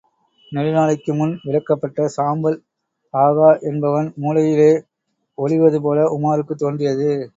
நெடு நாளைக்கு முன் விலக்கப்பட்ட சாம்பல் ஆகா என்பவன் மூலையிலே ஒளிவது போல உமாருக்குத் தோன்றியது.